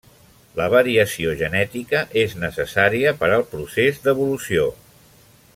La variació genètica és necessària per al procés d'evolució.